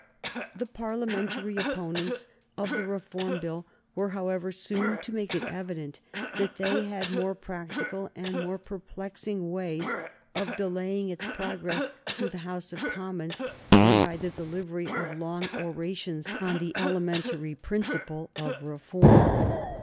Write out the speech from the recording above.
The Parliamentary opponents of the Reform Bill were, however, soon to make it evident that they had more practical and more perplexing ways of delaying its progress through the House of Commons than by the delivery of long orations on the elementary principle of reform.